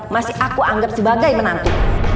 masih aku anggap sebagai menantu